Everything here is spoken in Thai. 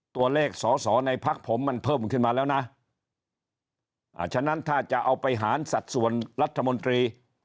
ตัวเลขสอสอในพักผมมันเพิ่มขึ้นมาแล้วนะอ่าฉะนั้นถ้าจะเอาไปหารสัดส่วนรัฐมนตรี